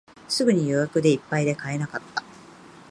すぐに予約でいっぱいで買えなかった